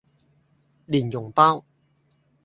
蓮蓉包